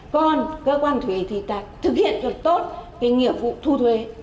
còn cơ quan thuế thì thực hiện được tốt cái nghĩa vụ thu thuế